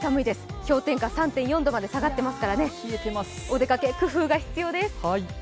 氷点下３．４度まで下がってますからお出かけ、工夫が必要です。